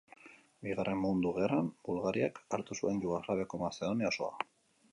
Bigarren Mundu Gerran, Bulgariak hartu zuen Jugoslaviako Mazedonia osoa.